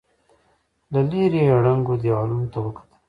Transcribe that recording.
له ليرې يې ړنګو دېوالونو ته وکتل.